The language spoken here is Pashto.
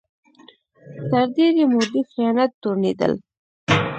تر ډېرې مودې خیانت تورنېدل